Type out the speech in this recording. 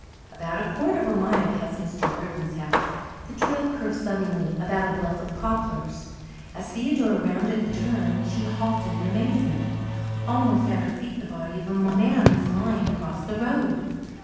About a quarter of a mile past Mr. Lurgan's house the trail curved suddenly about a bluff of poplars. As Theodora rounded the turn she halted in amazement. Almost at her feet the body of a man was lying across the road.